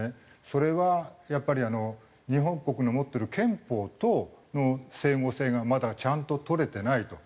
それはやっぱり日本国の持ってる憲法との整合性がまだちゃんと取れてないと。